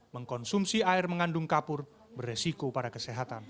mengkonsumsi air mengandung kapur beresiko pada kesehatan